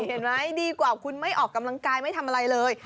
เห็นไหมดีกว่าคุณไม่ออกกำลังกายไม่ทำอะไรเลย